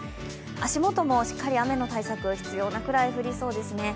足元もしっかり雨の対策が必要なくらい降りそうですね。